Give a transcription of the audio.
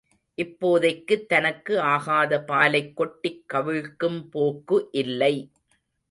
இப்போதைக்குத் தனக்கு ஆகாத பாலைக் கொட்டிக் கவிழ்க்கும் போக்கு இல்லை.